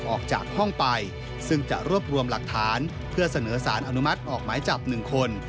ออกจากห้องไปซึ่งจะรวบรวมหลักฐานเพื่อเสนอสารอนุมัติออกหมายจับ๑คน